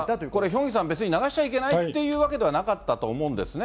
ヒョンギさん、これ、別に流しちゃいけないっていうわけではなかったと思うんですね。